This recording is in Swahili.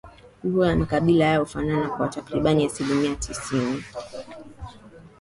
Lugha za Makabila hayo kufanana kwa Takribani Asilimia tisini